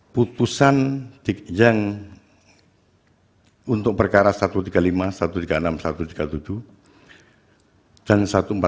putusan yang untuk perkara satu ratus tiga puluh lima satu ratus tiga puluh enam satu ratus tiga puluh tujuh dan satu ratus empat puluh